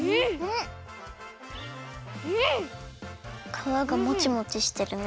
かわがもちもちしてるね。